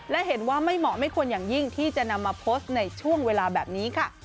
และเห็นว่าไม่เหมาะไม่ควรอย่างยิ่งที่จะนำมาโพสต์ในช่วงเวลาแบบนี้ค่ะ